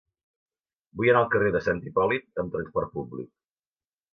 Vull anar al carrer de Sant Hipòlit amb trasport públic.